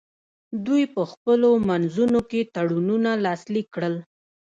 دوی په خپلو منځونو کې تړونونه لاسلیک کړل